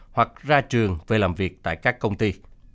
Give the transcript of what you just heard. hoặc ra trường về làm việc tại các công ty